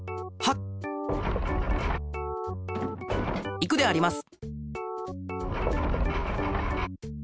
いくであります！